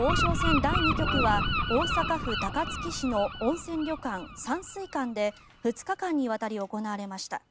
第２局は大阪府高槻市の温泉旅館山水館で２日間にわたり行われました。